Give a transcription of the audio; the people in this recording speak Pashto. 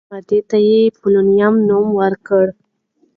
نوې ماده ته یې «پولونیم» نوم ورکړ.